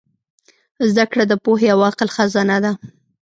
زدهکړه د پوهې او عقل خزانه ده.